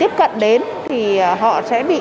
nên là những cái đó là cái thường xuyên